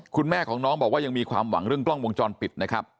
คุณแม่ของน้องบอกว่ายังมีความหวังเรื่องกล้องวงจรปิดนะครับ